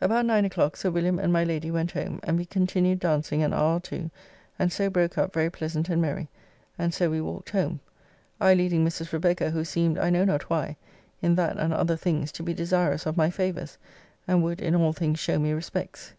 About 9 o'clock Sir William and my Lady went home, and we continued dancing an hour or two, and so broke up very pleasant and merry, and so walked home, I leading Mrs. Rebecca, who seemed, I know not why, in that and other things, to be desirous of my favours and would in all things show me respects.